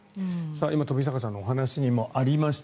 富坂さんの話にもありました